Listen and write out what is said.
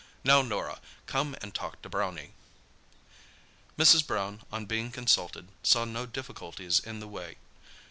Now, Norah, come and talk to Brownie." Mrs. Brown, on being consulted, saw no difficulties in the way.